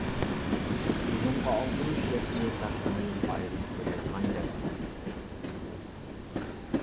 تىزىمغا ئالدۇرۇش رەسمىيەت ھەققىنى ئايرىم تۈلەيدىغان گەپ.